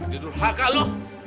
diedur haka lu